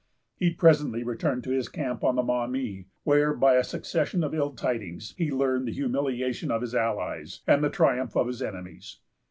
He presently returned to his camp on the Maumee, where, by a succession of ill tidings, he learned the humiliation of his allies, and the triumph of his enemies.